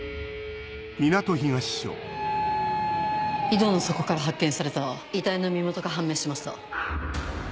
井戸の底から発見された遺体の身元が判明しました。